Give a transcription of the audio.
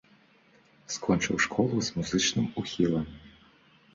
Скончыў школу з музычным ухілам.